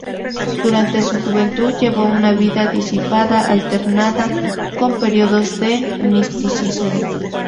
Durante su juventud llevó una vida disipada, alternada con períodos de misticismo.